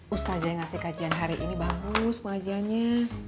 ustazah yang ngasih kajian hari ini bagus pengajiannya